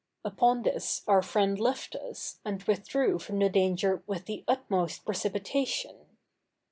Upon this our friend left us, and withdrew from the danger with the utmost precipitation.